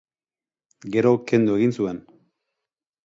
Gero kendu egin zuen.